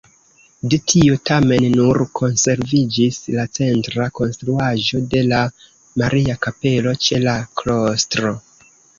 De tio tamen nur konserviĝis la centra konstruaĵo de la Maria-Kapelo ĉe la klostro.